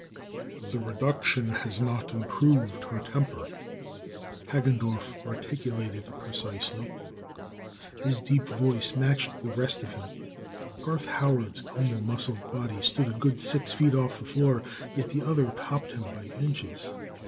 "The reduction has not improved her temper," Hagendorff articulated precisely. His deep voice matched the rest of him. Garth Howard's clean muscled body stood a good six feet off the floor, yet the other topped him by inches.